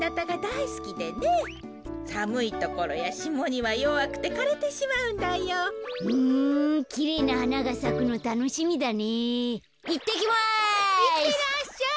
いってらっしゃい。